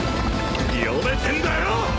読めてんだよ！